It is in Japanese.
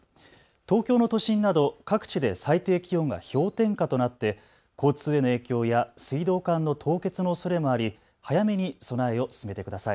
東京の都心など各地で最低気温が氷点下となって交通への影響や水道管の凍結のおそれもあり早めに備えを進めてください。